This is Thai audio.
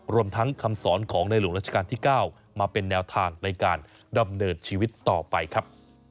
รวมทั้งคำสอนของในหลวงราชการที่๙มาเป็นแนวทางในการดำเนินชีวิตต่อไปครับ